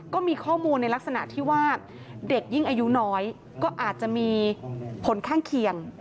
ก็มีข้อมูลในลักษณะที่ว่าเด็กยิ่งอายุน้อยก็อาจจะมีผลข้างเคียง